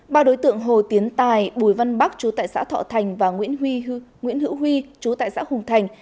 ba đối tượng hồ tiến tài bùi văn bắc chú tại xã thọ thành và nguyễn hữu huy chú tại xã hùng thành